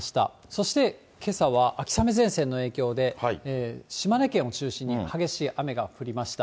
そしてけさは、秋雨前線の影響で、島根県を中心に激しい雨が降りました。